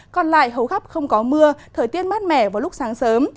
còn lại hầu khắp không có mưa thời tiết mát mẻ vào lúc sáng sớm